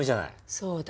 そうだ。